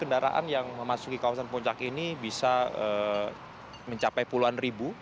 kendaraan yang memasuki kawasan puncak ini bisa mencapai puluhan ribu